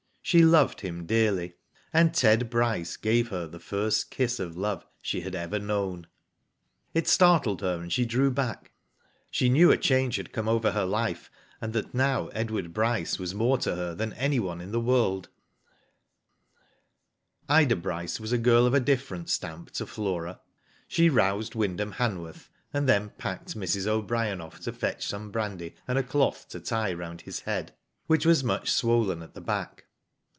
She loved him dearly, and Ted Bryce gave her the first kiss of love she had ever known. It startled her and she drew back. She knew a change had come over her life, and that now Edward Bryce was more to her than any one in the world. Digitized byGoogk 176 WHO DID ITf Ida Bryce was a girl of a different stamp to Flora. She roused Wyndham Han worth, and then packed Mrs. O'Brien off to fetch some brandy and a cloth to tie round his head, which was much swollen at the back.